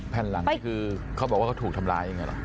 แผ่นหลังนี่คือเขาบอกว่าเขาถูกทำร้ายอย่างนี้หรอ